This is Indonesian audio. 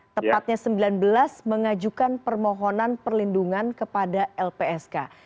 tepatnya sembilan belas mengajukan permohonan perlindungan kepada lpsk